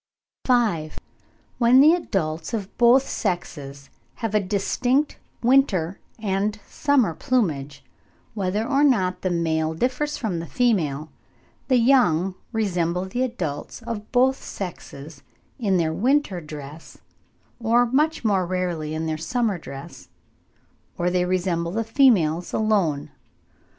V. When the adults of both sexes have a distinct winter and summer plumage, whether or not the male differs from the female, the young resemble the adults of both sexes in their winter dress, or much more rarely in their summer dress, or they resemble the females alone.